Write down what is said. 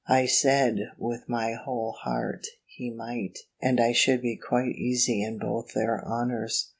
I said, with my whole heart, he might; and I should be quite easy in both their honours.